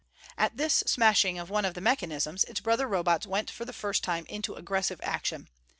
At this smashing of one of the mechanisms, its brother Robots went for the first time into aggressive action.